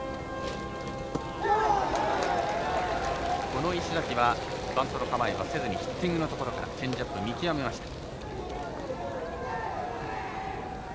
この石崎はバントの構えはせずにヒッティングのところからチェンジアップ見極めました。